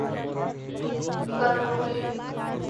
Khanauri